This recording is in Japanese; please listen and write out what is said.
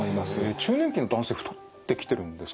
中年期の男性太ってきてるんですか？